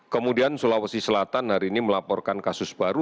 kemudian sulawesi selatan hari ini melaporkan kasus baru